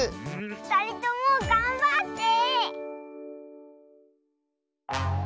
ふたりともがんばって！